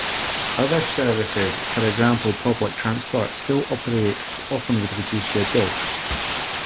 Other services, for example, public transport, still operate but often with reduced schedules.